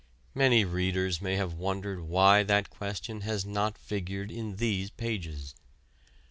Many readers may have wondered why that question has not figured in these pages.